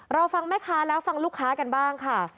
เราฟังแม่ค้าแล้วฟังลูกค้ากันบ้างค่ะ